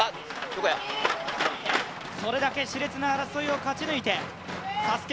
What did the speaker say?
それだけしれつな争いを勝ち抜いてＳＡＳＵＫＥ